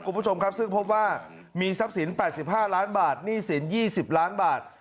คุณผู้ชมครับซึ่งพบว่ามีทรัพย์สิน๘๕ล้านบาทหนี้สิน๒๐ล้านบาท